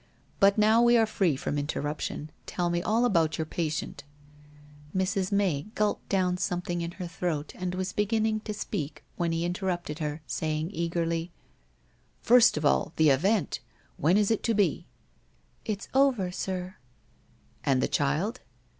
But now we are free from interruption. Tell me all about your patient/ Mrs. May gulped down something in her throat and was beginning to speak, when he interrupted her, saying eagerly :' First of all, the event ! When is it to be ?'' It's over, sir/ 'And the child?'